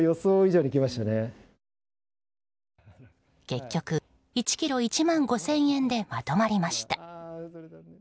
結局、１ｋｇ１万５０００円でまとまりました。